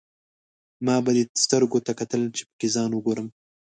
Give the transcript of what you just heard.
ما به دې سترګو ته کتل، چې پکې ځان وګورم.